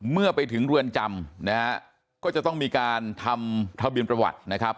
เมื่อไปถึงเรือนจำนะฮะก็จะต้องมีการทำทะเบียนประวัตินะครับ